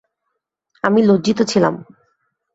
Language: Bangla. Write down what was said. আমি লজ্জিত ছিলাম।